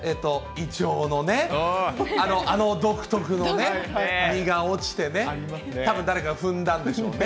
イチョウのね、あの独特のね、実が落ちてね、たぶん誰かが踏んだんでしょうね。